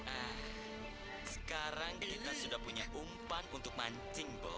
ah sekarang kita sudah punya umpan untuk mancing bo